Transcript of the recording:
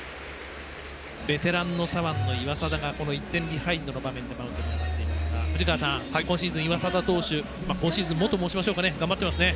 ベテランの左腕の岩貞がこの１点ビハインドの場面でマウンドに上がっていますが藤川さん、今シーズン岩貞投手、今シーズンもといいますかね。頑張ってますね。